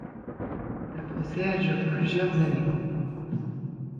Le procès a duré plusieurs années.